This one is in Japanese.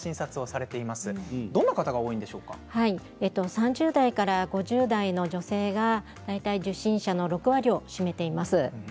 ３０代から５０代の女性が受診者の大体６割を占めています。